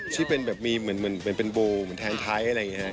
ที่เป็นแบบมีเหมือนเป็นบูเหมือนแทงไทยอะไรอย่างนี้